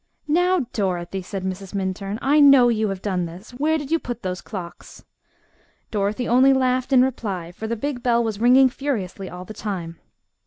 "Now, Dorothy!" said Mrs. Minturn, "I know you have done this. Where did you put those clocks?" Dorothy only laughed in reply, for the big bell was ringing furiously all the time.